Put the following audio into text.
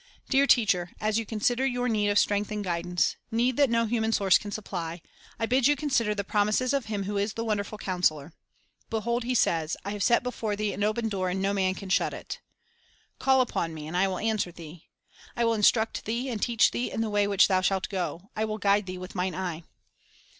Dear teacher, as you consider your need of strength and guidance, — need that no human source can sup ply, — I bid you consider the promises of Him who is the wonderful Counselor. "Behold," He says, "I have set before thee an open door, and no man can shut it." 1 "Call upon Me, and I will answer thee." "I will instruct thee and teach thee in the way which thou shalt go; I will guide thee with Mine eye."